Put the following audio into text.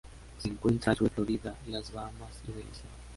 Se encuentra al sur de Florida, las Bahamas y Belice.